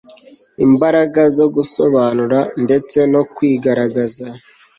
imbaraga zo gusobanura, ndetse no kwigaragaza